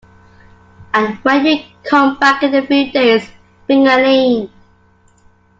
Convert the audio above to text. And when you come back in a few days, bring Eileen.